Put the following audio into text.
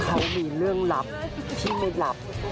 เขามีเรื่องลับที่ไม่ลับ